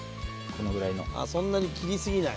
「ああそんなに切りすぎない？」